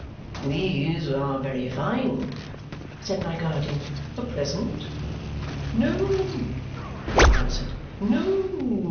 "These are very fine," said my guardian. "A present?" "No," he answered. "No!